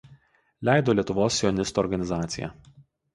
Leido Lietuvos sionistų organizacija.